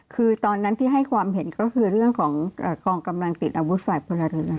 คือตอนนั้นที่ให้ความเห็นก็คือเรื่องของกองกำลังติดอาวุธฝ่ายพลธนา